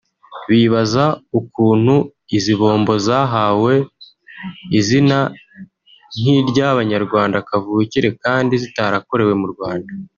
bibaza ukuntu izi bombo zahawe izina nk’iry’abanyarwanda kavukire kandi zitarakorewe mu Rwanda